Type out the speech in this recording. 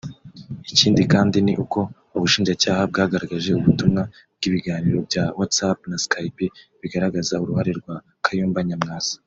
Ikindi kandi ni uko ubushinjacyaha bwagaragaje ubutumwa bw’ibiganiro bya WhatsApp na Skype bigaragaza uruhare rwa Kayumba Nyamwasa